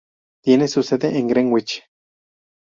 Tiene su sede en Greenwich.